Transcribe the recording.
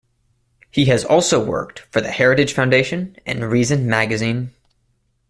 He has also worked for the Heritage Foundation and "Reason" magazine.